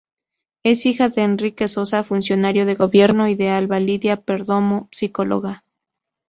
Es hija de Enrique Sosa, funcionario de gobierno y de Alba Lidia Perdomo, psicóloga.